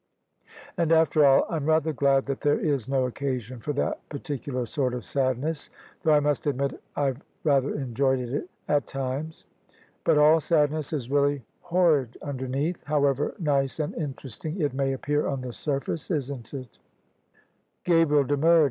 And after all I'm rather glad that there is no occasion for that particu lar sort of sadness, though I must admit I've rather enjoyed it at times. But all sadness is really horrid underneath, however nice and Interesting it may appear on the surface: Isn't it?" THE SUBJECTION Gabriel demurred.